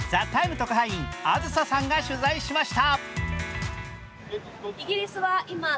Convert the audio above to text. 特派員、あずささんが取材しました。